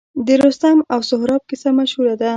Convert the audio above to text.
د رستم او سهراب کیسه مشهوره ده